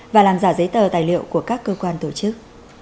và làm giả giấy tờ tài liệu của các cơ quan tổ chức